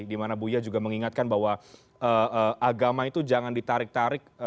dimana buya juga mengingatkan bahwa agama itu jangan ditarik tarik